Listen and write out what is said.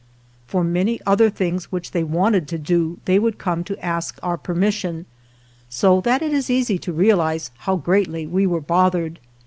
For many other things which they wanted to do they would come to ask our permission, so that it is easy to realize how greatly we were bothered.